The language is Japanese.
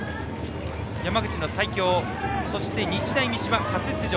山口の西京そして日大三島は初出場。